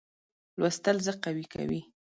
لوستل زه قوي کوي.